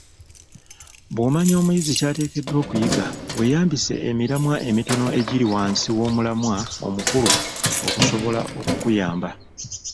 Bw’omanya omuyizi ky’ateekeddwa okuyiga, weeyambisa emiramwa emitono egiri wansi w’omulamwa omukulu okusobola okukuyamba